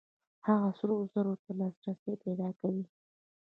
هغه سرو زرو ته لاسرسی پیدا کوي.